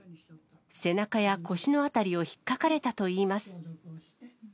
背中や腰のあたりをひっかかれたといいます。